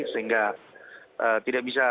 sehingga tidak bisa diungkap